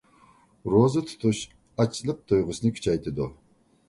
روزا تۇتۇش ئاچلىق تۇيغۇسىنى كۈچەيتىدۇ.